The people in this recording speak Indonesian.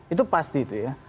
itu pasti itu ya